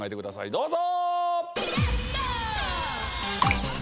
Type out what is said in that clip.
どうぞ！